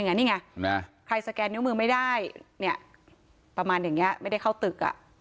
นี่ไงใครสแกนนิ้วมือไม่ได้ประมาณอย่างนี้ไม่ได้เข้าตึก